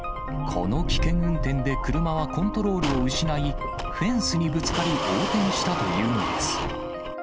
この危険運転で車はコントロールを失い、フェンスにぶつかり、横転したというのです。